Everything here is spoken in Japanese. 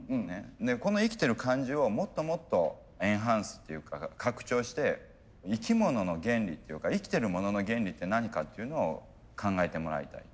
この生きてる感じをもっともっとエンハンスっていうか拡張して生き物の原理っていうか生きてるものの原理って何かっていうのを考えてもらいたい。